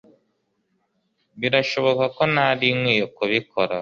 birashoboka ko ntari nkwiye kubikora